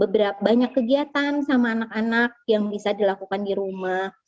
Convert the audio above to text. banyak kegiatan sama anak anak yang bisa dilakukan di rumah